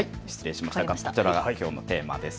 こちらがきょうのテーマです。